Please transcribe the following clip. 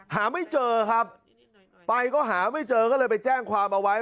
หาไม่เจอครับไปก็หาไม่เจอก็เลยไปแจ้งความเอาไว้